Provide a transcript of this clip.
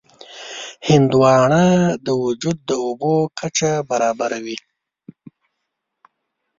هندوانه د وجود د اوبو کچه برابروي.